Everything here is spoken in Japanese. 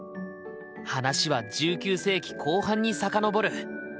話は１９世紀後半にさかのぼる。